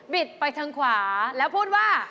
ไปทางขวาแล้วพูดว่า